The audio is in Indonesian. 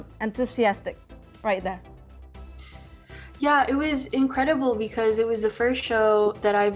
ya itu sangat luar biasa karena itu adalah pertunjukan pertama yang saya lakukan di skala itu